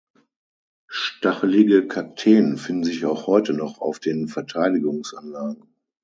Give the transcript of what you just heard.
Stachelige Kakteen finden sich auch heute noch auf den Verteidigungsanlagen.